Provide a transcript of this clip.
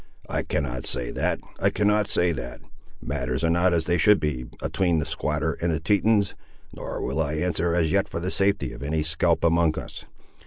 "I cannot say that; I cannot say that; matters are not as they should be, atween the squatter and the Tetons, nor will I answer as yet for the safety of any scalp among us.